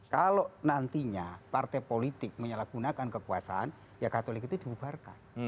kalau nantinya partai politik menyalahgunakan kekuasaan ya katolik itu dibubarkan